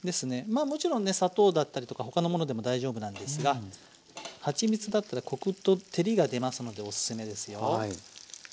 まあもちろんね砂糖だったりとか他のものでも大丈夫なんですがはちみつだったらコクと照りが出ますのでおすすめですよ。